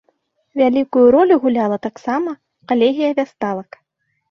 Вялікую ролю гуляла таксама калегія вясталак.